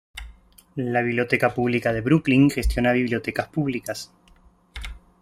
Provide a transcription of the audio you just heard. La Biblioteca Pública de Brooklyn gestiona bibliotecas públicas.